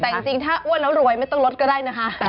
แต่จริงถ้าอ้วนแล้วรวยไม่ต้องลดก็ได้นะคะ